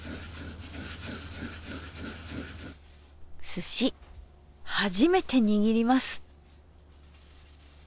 すし初めて握ります。